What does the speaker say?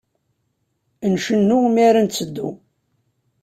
Ncennu mi ara netteddu.